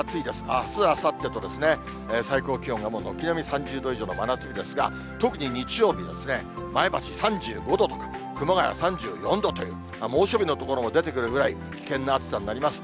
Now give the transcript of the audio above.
あす、あさってと最高気温がもう軒並み３０度以上の真夏日ですが、特に日曜日、前橋３５度とか、熊谷３４度という、猛暑日の所も出てくるぐらい危険な暑さになります。